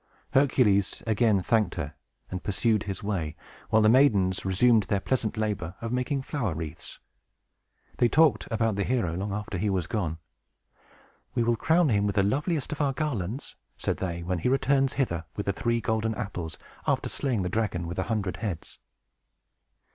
Hercules again thanked her, and pursued his way, while the maidens resumed their pleasant labor of making flower wreaths. They talked about the hero, long after he was gone. "We will crown him with the loveliest of our garlands," said they, "when he returns hither with the three golden apples, after slaying the dragon with a hundred heads."